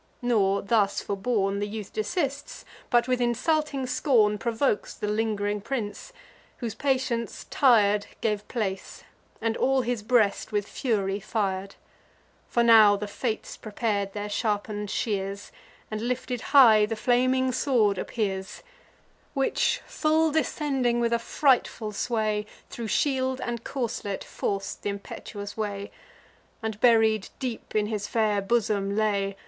Nor, thus forborne, The youth desists, but with insulting scorn Provokes the ling'ring prince, whose patience, tir'd, Gave place; and all his breast with fury fir'd. For now the Fates prepar'd their sharpen'd shears; And lifted high the flaming sword appears, Which, full descending with a frightful sway, Thro' shield and corslet forc'd th' impetuous way, And buried deep in his fair bosom lay.